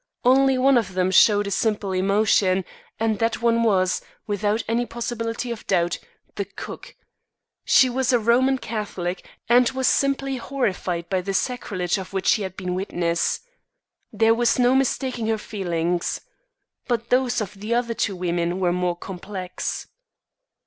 Only one of them showed a simple emotion, and that one was, without any possibility of doubt, the cook. She was a Roman Catholic, and was simply horrified by the sacrilege of which she had been witness. There was no mistaking her feelings. But those of the other two women were more complex.